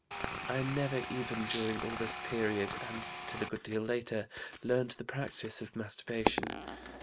I never even, during all this period, and till a good deal later, learned the practice of masturbation.